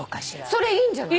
それいいんじゃない？